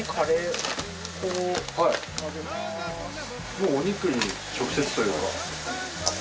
もうお肉に直接というか。